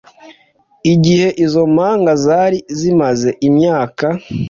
igihe izo mpanga zari zimaze imyaka